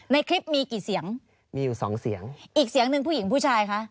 ในคลิปมีกี่เสียงมีอยู่สองเสียงอีกเสียงหนึ่งผู้หญิงผู้ชายคะ